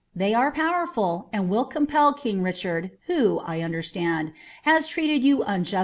They are powerful, and will canpd king Rwhard, who, I understand, has treated you un 'PioisMrt.